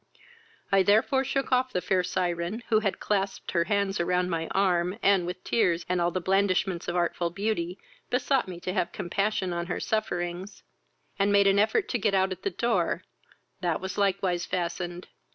I therefore shook off the fair syren, (who had clasped her hands around my arm, and, with tears, and all the blandishments of artful beauty, besought me to have compassion on her sufferings,) and made an effort to get out at the door; that was likewise fastened.